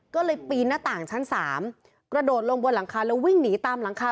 ก็เลยปีนหน้าต่างชั้น๓กระโดดลงบนหลังคาแล้ววิ่งหนีตามหลังคา